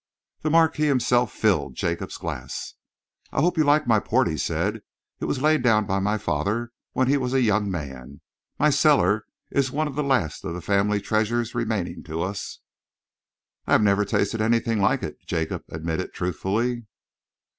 The Marquis himself filled Jacob's glass. "I hope you like my port," he said. "It was laid down by my father when he was a young man. My cellar is one of the last of the family treasures remaining to us." "I have never tasted anything like it," Jacob admitted truthfully.